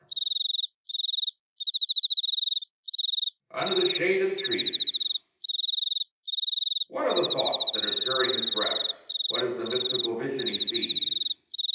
UNDER THE SHADE OF THE TREES What are the thoughts that are stirring his breast? What is the mystical vision he sees?